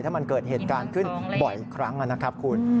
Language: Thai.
ถ้ามันเกิดเหตุการณ์ขึ้นบ่อยครั้งนะครับคุณ